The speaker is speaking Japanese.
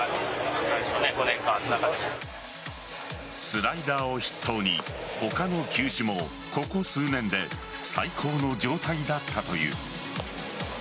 スライダーを筆頭に他の球種もここ数年で最高の状態だったという。